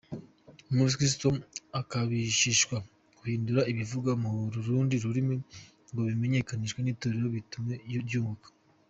Umukiristo akabashishwa guhindura ibivugwa mu rundi rurimi ngo bimenyekanishwe n’itorero bitume ryunguka.